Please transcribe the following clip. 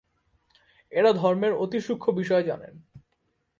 এরা ধর্মের অতি সূক্ষ্ম বিষয় জানেন।